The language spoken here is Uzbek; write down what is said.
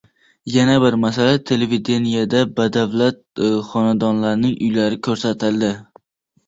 yana bir masala televidenieda badavlat xonadonlarning uylari ko‘rsatiladi